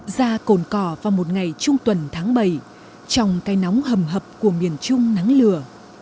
ra cồn cỏ vào một ngày trung tuần tháng bảy trong cái nóng hầm hập của miền trung nắng lửa